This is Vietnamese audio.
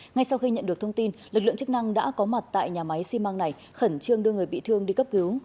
ngay sau khi nhận được thông tin lực lượng chức năng đã có mặt tại nhà máy xi măng này khẩn trương đưa người bị thương đi cấp cứu